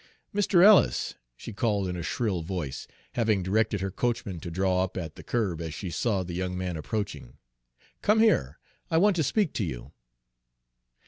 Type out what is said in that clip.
"Mr. Ellis," she called in a shrill voice, having directed her coachman to draw up at the curb as she saw the young man approaching, "come here. I want to speak to you."